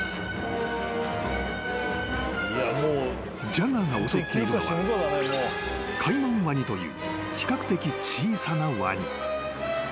［ジャガーが襲っているのはカイマンワニという比較的小さなワニ］